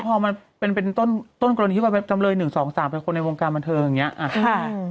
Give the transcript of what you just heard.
พอมันเป็นต้นกรณีที่ว่าจำเลย๑๒๓เป็นคนในวงการบันเทิงอย่างนี้